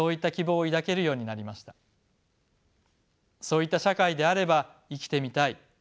そういった社会であれば生きてみたい。